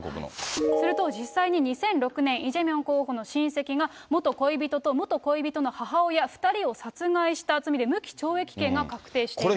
すると、実際に２００６年、イ・ジェミョン候補の親戚が元恋人と元恋人の母親２人を殺害した罪で、無期懲役刑が確定しているんですね。